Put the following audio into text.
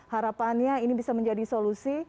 harapannya ini bisa menjadi solusi